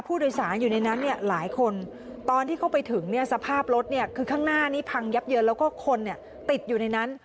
ผู้โดยสารอยู่ในนั้นเนี่ยหลายคนตอนที่เข้าไปถึงเนี่ยสภาพรถเนี่ยคือข้างหน้านี้พังยับเยินแล้วก็คนเนี่ยติดอยู่ในนั้น